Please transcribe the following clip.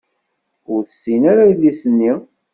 Ur tessin ara adlis-nni.